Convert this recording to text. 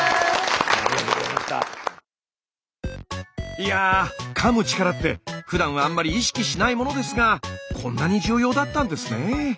いやかむ力ってふだんはあんまり意識しないものですがこんなに重要だったんですね。